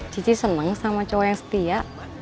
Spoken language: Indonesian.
cici senang sama cowok yang setia